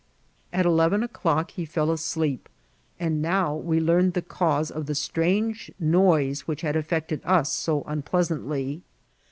At eleven o'clock he fell asleep, and now we learned the cause of the strange noise which had affected us so unpleasantly.